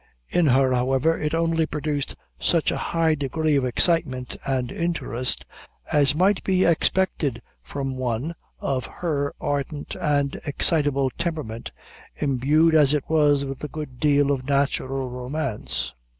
In her, however, it only produced such a high degree of excitement and interest, as might be expected from one of her ardent and excitable temperament, imbued as it was with a good deal of natural romance.